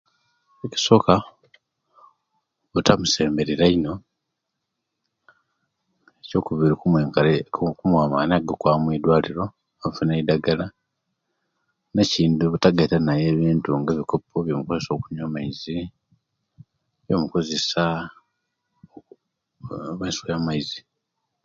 Ekisooka, butamusemberera einu, ekyo kubiri; kumwegayirira kumuwa maani ogokwaaba omwidwaliro , okufuna eidagala, nekindi butagaita nayee bebintu nga ebikopo ebyemukozesa okunywa amaizi, ebyemukozesa, aa oba ensuwa ya'maizi.